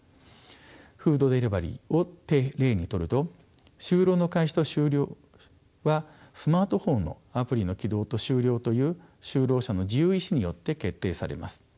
フードデリバリーを例に取ると就労の開始と終了はスマートフォンのアプリの起動と終了という就労者の自由意思によって決定されます。